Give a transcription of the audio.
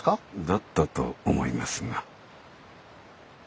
だったと思いますが。